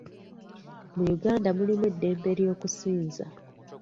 Mu Uganda mulimu eddembe ly'okusinza.